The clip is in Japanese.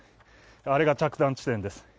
あれが着弾地点です。